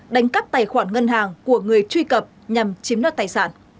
đánh cắp tài khoản ngân hàng của người truy cập nhằm chiếm đoạt tài sản